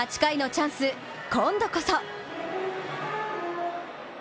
８回のチャンス、今度こそ。